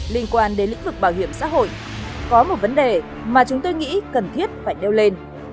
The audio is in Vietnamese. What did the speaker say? liên quan đến lĩnh vực bảo hiểm xã hội có một vấn đề mà chúng tôi nghĩ cần thiết phải nêu lên